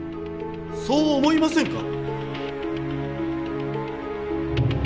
そう思いませんか？